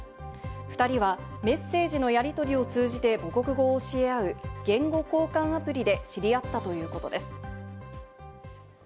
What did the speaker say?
２人はメッセージのやりとりを通じて母国語を教えあう言語交換アプリで知り合ったということです。